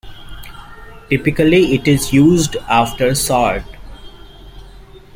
Typically it is used after sort.